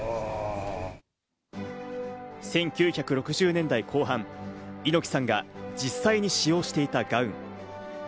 １９６０年代後半、猪木さんが実際に使用していたガウン。